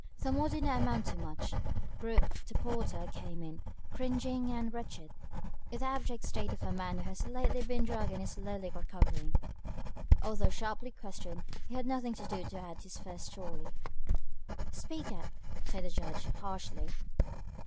The more did not amount to much. Groote, the porter, came in, cringing and wretched, in the abject state of a man who has lately been drugged and is now slowly recovering. Although sharply questioned, he had nothing to add to his first story. "Speak out," said the Judge, harshly.